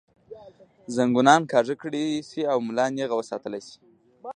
زنګونان کاږۀ کړے شي او ملا نېغه وساتلے شي